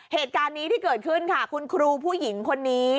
เหตุการณ์นี้ที่เกิดขึ้นค่ะคุณครูผู้หญิงคนนี้